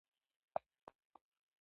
خیرات کول د مړو ارواو ته ثواب رسوي.